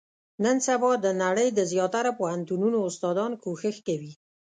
نن سبا، د نړۍ د زیاتره پوهنتونو استادان، کوښښ کوي.